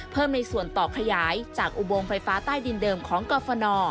ในส่วนต่อขยายจากอุโมงไฟฟ้าใต้ดินเดิมของกรฟน